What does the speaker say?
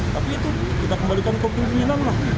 tapi itu kita kembalikan ke pimpinan lah